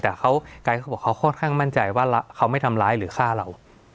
แต่เขากลายเขาบอกเขาค่อนข้างมั่นใจว่าเขาไม่ทำร้ายหรือฆ่าเรา